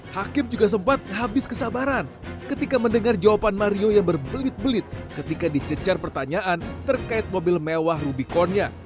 hakim juga sempat habis kesabaran ketika mendengar jawaban mario yang berbelit belit ketika dicecar pertanyaan terkait mobil mewah rubiconnya